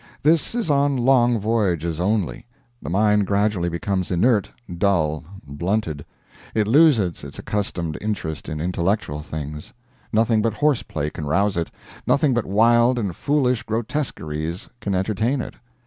This is on long voyages only. The mind gradually becomes inert, dull, blunted; it loses its accustomed interest in intellectual things; nothing but horse play can rouse it, nothing but wild and foolish grotesqueries can entertain it.